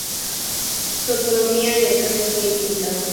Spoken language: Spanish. Su autonomía en el cargo fue limitada.